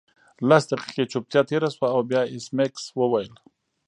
لس دقیقې چوپتیا تیره شوه او بیا ایس میکس وویل